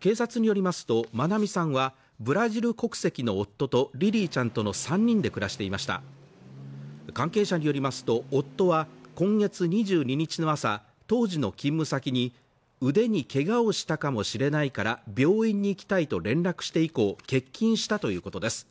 警察によりますと愛美さんはブラジル国籍の夫とリリィちゃんとの３人で暮らしていました関係者によりますと夫は今月２２日の朝当時の勤務先に腕にけがをしたかもしれないから病院に行きたいと連絡して以降欠勤したということです